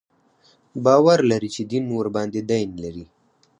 باور لري چې دین ورباندې دین لري.